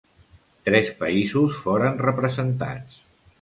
Tres països foren representats.